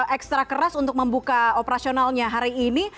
ekstra keras untuk membuka operasionalnya hari ini